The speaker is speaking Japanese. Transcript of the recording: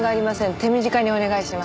手短にお願いします。